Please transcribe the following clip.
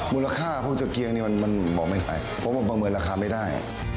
มูลค่าพวกตะเกียงนี่มันบอกไม่ได้เพราะว่าประเมินราคาไม่ได้